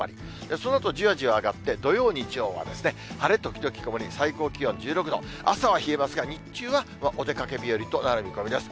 そのあとじわじわ上がって、土曜、日曜は晴れ時々曇り、最高気温１６度、朝は冷えますが、日中はお出かけ日和となる見込みです。